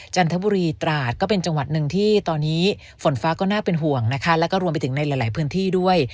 จันทบุรีตราดก็เป็นจังหวัดหนึ่งที่ตอนนี้ฝนฟ้าก็น่าเป็นห่วงนะคะแล้วก็รวมไปถึงในหลายพื้นที่ด้วย